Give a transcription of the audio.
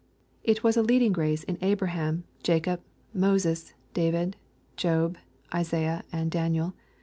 It was a leading grace in Abraham, Jacob, Moses, David, Job, Isaiah, and Daniel.